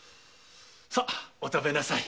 さお食べなさい。